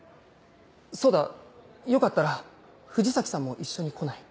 そうだよかったら藤崎さんも一緒に来ない？